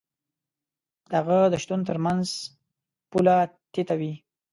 د هغه د شتون تر منځ پوله تته وي.